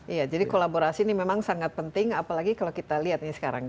iya jadi kolaborasi ini memang sangat penting apalagi kalau kita lihat ini sekarang